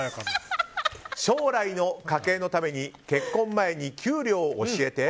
将来の家計のために結婚前に給料教えて。